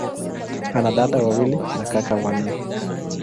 Ana dada wawili na kaka wanne.